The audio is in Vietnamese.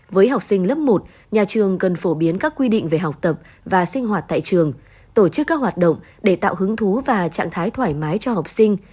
với học sinh lớp một nhà trường cần phổ biến các quy định về học tập và sinh hoạt tại trường tổ chức các hoạt động để tạo hứng thú và trạng thái thoải mái cho học sinh